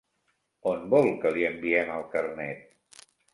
On vol que li enviem el carnet?